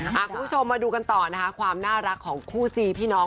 คุณผู้ชมมาดูกันต่อนะคะความน่ารักของคู่ซีพี่น้อง